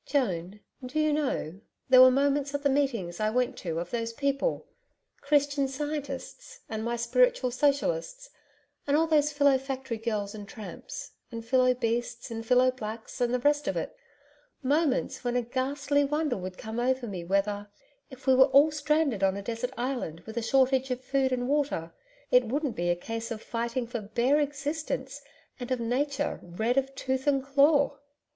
Joan, do you know, there were moments at the meetings I went to of those people Christian Scientists, and my Spiritual Socialists, and all those philo factory girls and tramps, and philo beasts, and philo blacks and the rest of it Moments when a ghastly wonder would come over me whether, if we were all stranded on a desert island with a shortage of food and water, it wouldn't be a case of fighting for bare existence and of Nature red of tooth and claw.'